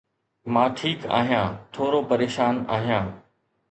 مان ٺيڪ آهيان، ٿورو پريشان آهيان.